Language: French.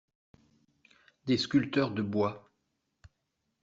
Des sculpteurs de bois.